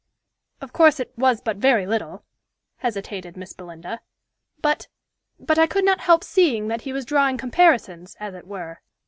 "Of course it was but very little," hesitated Miss Belinda; "but but I could not help seeing that he was drawing comparisons, as it were.